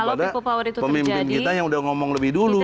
pemimpin kita yang sudah ngomong lebih dulu